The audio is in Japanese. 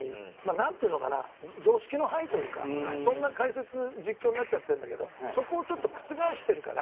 何ていうのかな常識の範囲というかそんな解説、実況になっちゃってるんだけどそこをちょっと覆しているから。